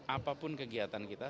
apapun kegiatan kita